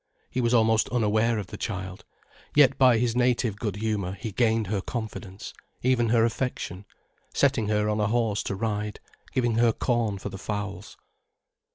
He was almost unaware of the child, yet by his native good humour he gained her confidence, even her affection, setting her on a horse to ride, giving her corn for the fowls.